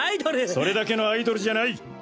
それだけのアイドルじゃない！